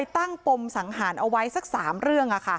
ปมสังหารเอาไว้สัก๓เรื่อง